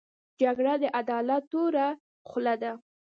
جګړه د عدالت توره خوله ده